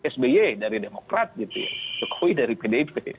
sby dari demokrat jokowi dari pdp